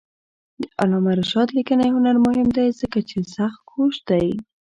د علامه رشاد لیکنی هنر مهم دی ځکه چې سختکوش دی.